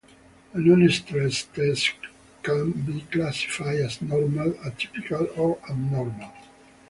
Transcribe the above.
A nonstress test can be classified as normal, atypical, or abnormal.